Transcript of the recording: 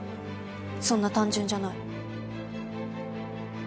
そんな単純じゃない。